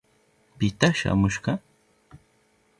¿Pita shamushka?